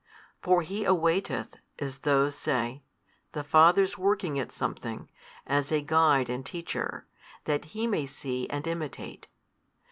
For He awaiteth, as those say, the Father's working at something, as a Guide and Teacher, that He may see and imitate.